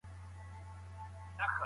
خلګو د مسلمانانو له عدله ګټه پورته کړه.